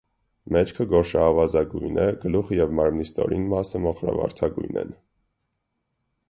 Մեջքը գորշաավազագույն է, գլուխը և մարմնի ստորին մասը մոխրավարդագույն են։